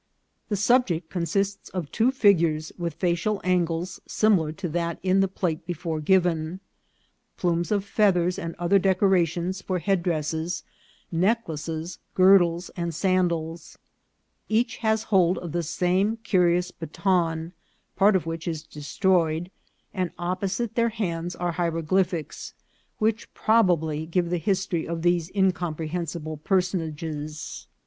The subject con sists of two figures with facial angles similar to that in the plate before given, plumes of feathers and other decorations for headdresses, necklaces, girdles, and sandals ; each has hold of the same curious baton, part of which is destroyed, and opposite their hands are hie roglyphics, which probably give the history of these incomprehensible personages.